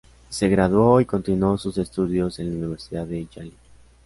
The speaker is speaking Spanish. Se graduó y continuó sus estudios en la Universidad de Yale.